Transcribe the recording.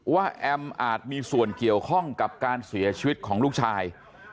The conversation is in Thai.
แอมอาจมีส่วนเกี่ยวข้องกับการเสียชีวิตของลูกชาย